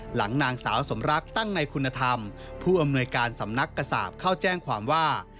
หลังนางสาวสมรักตั้งในคุณธรรมผู้อำนวยการสำนักกษาปเข้าแจ้งความว่า